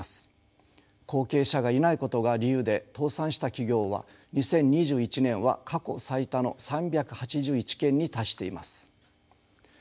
後継者がいないことが理由で倒産した企業は２０２１年は過去最多の３８１件に達しています。